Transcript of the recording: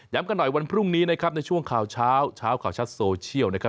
กันหน่อยวันพรุ่งนี้นะครับในช่วงข่าวเช้าเช้าข่าวชัดโซเชียลนะครับ